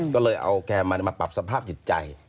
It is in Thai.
ก็เลยเอาแกมาปรับสภาพจิตใจ